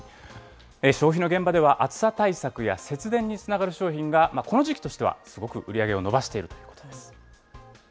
消費の現場では、暑さ対策や節電につながる商品がこの時期としてはすごく売り上げを伸ばしているということです。